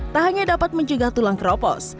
tak hanya dapat menjaga tulang kropos